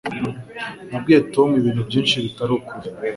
Nabwiye Tom ibintu byinshi bitari ukuri.